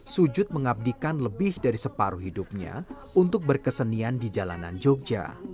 sujud mengabdikan lebih dari separuh hidupnya untuk berkesenian di jalanan jogja